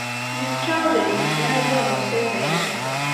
Yefka adlis-nni i yiwen n usalay.